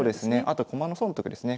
あと駒の損得ですね。